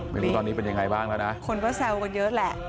ไม่รู้ตอนนี้เป็นยังไงบ้างแล้วนะคนก็แซวกันเยอะแหละ